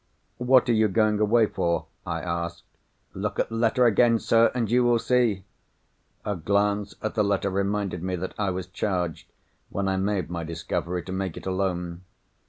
"What are you going away for?" I asked. "Look at the letter again, sir, and you will see." A glance at the letter reminded me that I was charged, when I made my discovery, to make it alone.